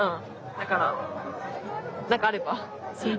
だから何かあれば。